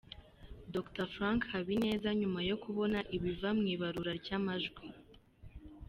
Dr Frank Habineza nyuma yo kubona ibiva mu ibarura ry'amajwi.